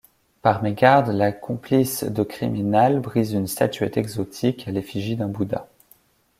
Par mégarde, la complice de Kriminal brise une statuette exotique à l'effigie d'un bouddha.